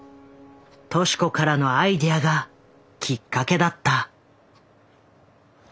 敏子からのアイデアがきっかけだった。